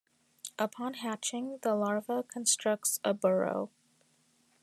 Upon hatching, the larva constructs a burrow.